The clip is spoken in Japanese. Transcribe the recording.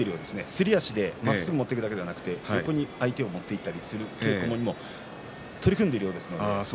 すり足でまっすぐ持っていくだけではなく横に相手を持っていく稽古も取り組んでいるようですよ。